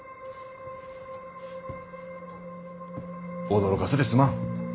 驚かせてすまん。